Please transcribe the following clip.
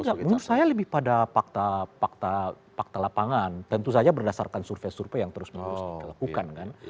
tentu saya lebih pada fakta fakta lapangan tentu saja berdasarkan survei survei yang terus menerus dilakukan kan